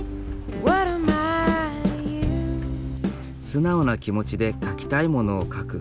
素直な気持ちで描きたいものを描く。